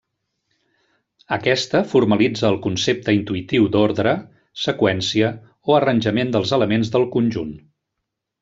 Aquesta formalitza el concepte intuïtiu d'ordre, seqüència, o arranjament dels elements del conjunt.